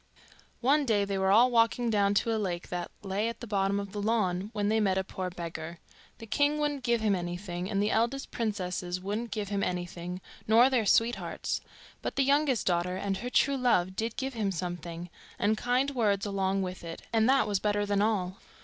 One day they were all walking down to a lake that lay at the bottom of the lawn when they met a poor beggar. The king wouldn't give him anything, and the eldest princesses wouldn't give him anything, nor their sweethearts; but the youngest daughter and her true love did give him something, and kind words along with it, and that was better than all.